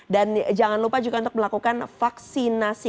dan jangan lupa juga untuk melakukan vaksinasi